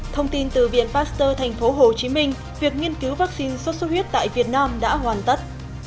thông tin từ viện pasteur tp hcm việc nghiên cứu vaccine sốt xuất huyết tại việt nam đã hoàn tất